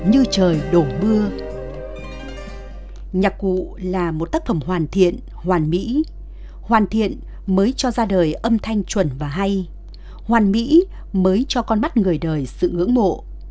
hoàn thiện hoàn mỹ hoàn thiện mới cho ra đời âm thanh chuẩn và hay hoàn mỹ mới cho con mắt người đời sự ưỡng mộ